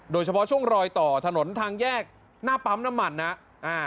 โดยเฉพาะช่วงรอยต่อถนนทางแยกหน้าปั๊มน้ำมันนะ